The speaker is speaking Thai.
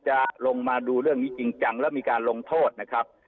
จะลงมาดูเรื่องนี้จริงจังแล้วมีการลงโทษนะครับ